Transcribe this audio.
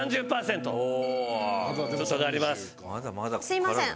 すみません。